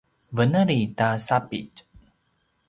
veneli ta sapitj